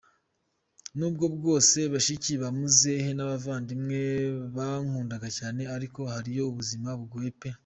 Nubwo bwose bashiki ba muzehe n’abavandimwe bankundaga cyane, ariko hariyo ubuzima bugoye pe.